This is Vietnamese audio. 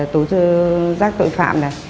tố giác tội phạm này